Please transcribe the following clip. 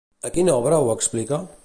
A quina obra ho explica?